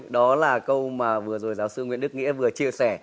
đó là câu mà vừa rồi giáo sư nguyễn đức nghĩa vừa chia sẻ